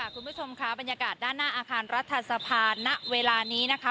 คุณผู้ชมค่ะบรรยากาศด้านหน้าอาคารรัฐสภาณเวลานี้นะคะ